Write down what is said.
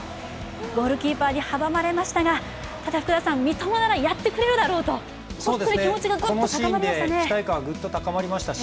ゴールキーパーに阻まれましたがただ三笘ならやってくれるだろうと気持ちが高まりましたね。